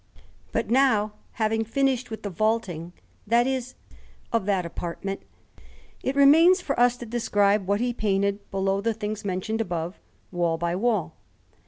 But now, having finished with the vaulting that is, the ceiling of that apartment, it remains for us to describe what he painted below the things mentioned above, wall by wall.